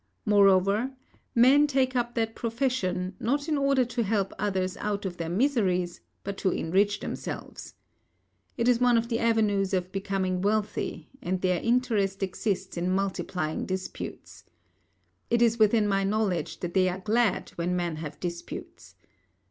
Moreover, men take up that profession, not in order to help others out of their miseries, but to enrich themselves. It is one of the avenues of becoming wealthy and their interest exists in multiplying disputes. It is within my knowledge that they are glad when men have disputes.